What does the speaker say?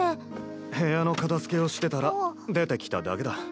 部屋の片づけをしてたら出てきただけだ。